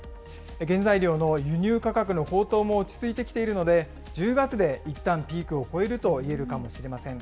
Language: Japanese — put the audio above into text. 原材料の輸入価格の高騰も落ち着いてきているので、１０月でいったんピークをこえるといえるかもしれません。